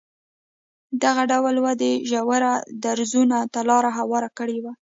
دغې ډول ودې ژورو درزونو ته لار هواره کړې وای.